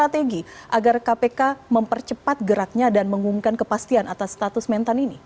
strategi agar kpk mempercepat geraknya dan mengumumkan kepastian atas status mentan ini